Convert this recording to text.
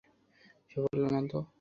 সে বললো, না?